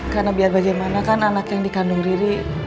karena biar bagaimana kan anak yang dikandung riri